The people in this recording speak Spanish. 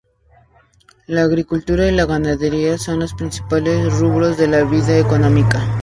La agricultura y la ganadería son los principales rubros de la vida económica.